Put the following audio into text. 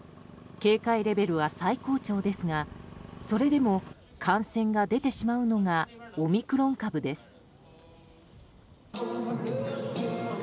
警戒レベルは最高潮ですがそれでも、感染が出てしまうのがオミクロン株です。